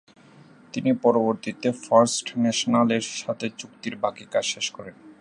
তিনি পরবর্তীতে ফার্স্ট ন্যাশনালের সাথে চুক্তির বাকি কাজ শেষ করেন।